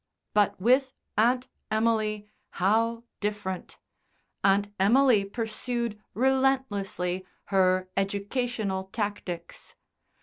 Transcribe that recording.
But with Aunt Emily how different! Aunt Emily pursued relentlessly her educational tactics.